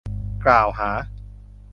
กล่าวหา